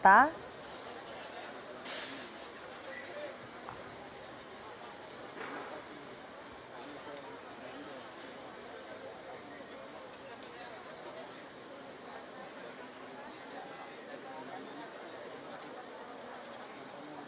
tampaknya ini sudah dikawal oleh pemerintah